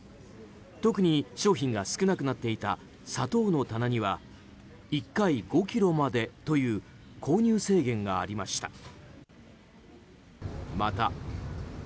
特に商品が少なくなっていた砂糖の棚には１回５ｋｇまでという購入制限がありました。